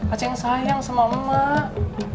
ada yang sayang sama emak